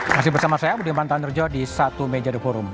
masih bersama saya budiman tandurjo di satu meja the forum